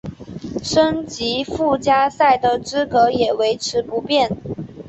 升级附加赛的资格也维持不变。